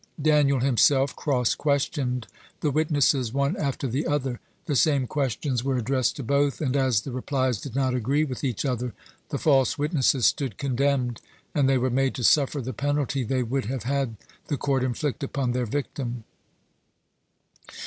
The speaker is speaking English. Daniel himself cross questioned the witnesses one after the other. The same questions were addressed to both, and as the replies did not agree with each other, the false witnesses stood condemned, and they were made to suffer the penalty they would have had the court inflict upon their victim.